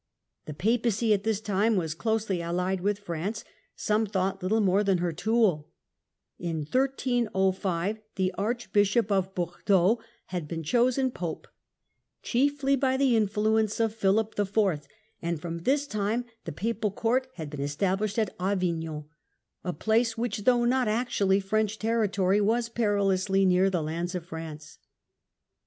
The Papacy at this time was closely allied with France, some thought little more than her tool. In 1305 the Archbishop of Bordeaux had been chosen Papacy at Pope, chiefly by the influence of Philip IV. ; and from ^^^§"^0° his time the Papal Court had been established at Avig non ; a place which, though not actually French territory, was perilously near the lands of France.